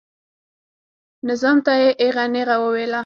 نظام ته یې ایغه نیغه وویله.